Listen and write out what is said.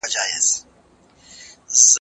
د ماشومانو خندا د کورنۍ خوښي ده.